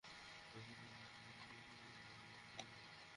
বলতে গেলে ম্যারোনির নিজের বাসা ওটা।